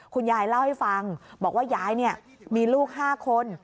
คุณยายเล่าให้ฟังบอกว่ายายมีลูก๕คน